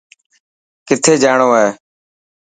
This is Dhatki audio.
ڪٿي جاڻو هي.